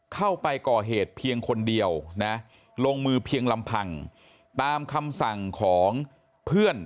เข้าไปก่อเหตุเพียงคนเดียวนะลงมือเพียงลำพังตามคำสั่งของเพื่อน